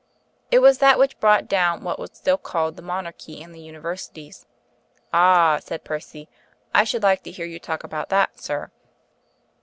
It was that which brought down what was still called the Monarchy and the Universities." "Ah," said Percy. "I should like to hear you talk about that, sir."